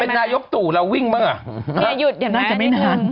เป็นนายกตู่เราวิ่งเมื่อน่าจะไม่นาน